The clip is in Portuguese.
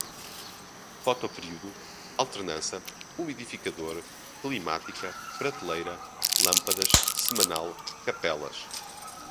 fotoperíodo, alternância, umidificador, climática, prateleira, lâmpadas, semanal, capelas